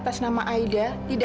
masa gak ada sih